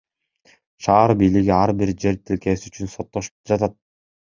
Шаар бийлиги ар бир жер тилкеси үчүн соттошуп жатат.